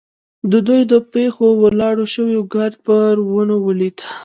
د دوی د پښو راولاړ شوی ګرد پر ونو لوېده.